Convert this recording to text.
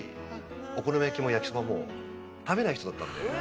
お好み焼きも焼きそばも食べない人だったんで。